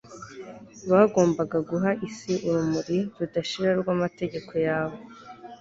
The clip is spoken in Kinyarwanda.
bagombaga guha isi urumuri rudashira rw'amategeko yawe